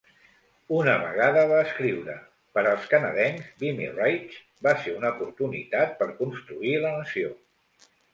Una vegada va escriure: Per als canadencs, Vimy Ridge va ser una oportunitat per construir la nació.